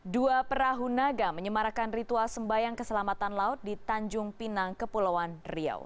dua perahu naga menyemarakan ritual sembayang keselamatan laut di tanjung pinang kepulauan riau